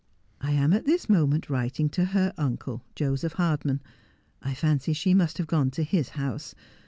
' I am at this moment writing to her uncle, Joseph Hardman. I fancy she must have gone to his house.